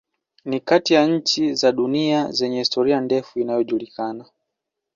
Ni kati ya nchi za dunia zenye historia ndefu inayojulikana.